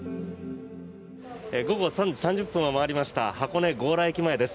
午後３時３０分を回りました箱根・強羅駅前です。